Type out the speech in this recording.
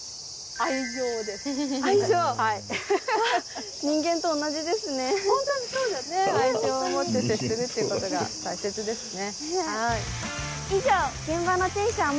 愛情を持って接するってことが大切ですね。